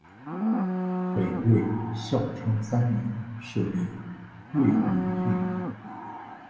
北魏孝昌三年设置魏明郡。